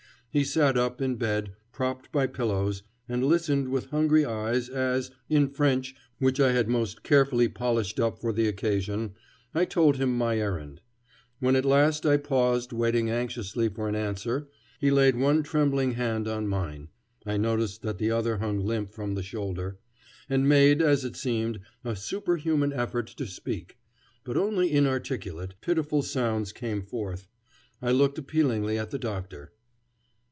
He sat up in bed, propped by pillows, and listened with hungry eyes as, in French which I had most carefully polished up for the occasion, I told him my errand. When at last I paused, waiting anxiously for an answer, he laid one trembling hand on mine I noticed that the other hung limp from the shoulder and made, as it seemed, a superhuman effort to speak; but only inarticulate, pitiful sounds came forth. I looked appealingly at the doctor.